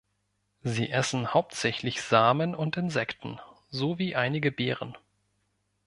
Sie essen hauptsächlich Samen und Insekten sowie einige Beeren.